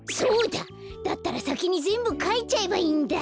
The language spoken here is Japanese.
だったらさきにぜんぶかいちゃえばいいんだ。